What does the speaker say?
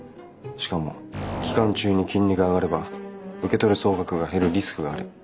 しかも期間中に金利が上がれば受け取る総額が減るリスクがある。